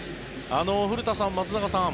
古田さん、松坂さん